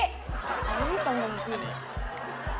ให้กันสิค่ะ